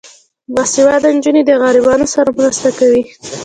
باسواده نجونې د غریبانو سره مرسته کوي.